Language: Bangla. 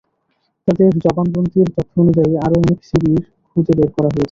তাঁদের জবানবন্দির তথ্য অনুযায়ী আরও অনেক শিবির খুঁজে বের করা হয়েছে।